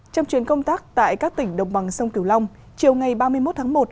trong chuyến công tác tại các tỉnh đồng bằng sông kiều long chiều ngày ba mươi một tháng một